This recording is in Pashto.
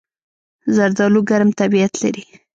زردالو ګرم طبیعت لري.